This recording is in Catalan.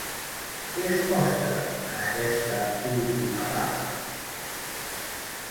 Què es mostra en aquesta última part?